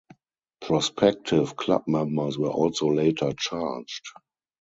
Prospective club members were also later charged.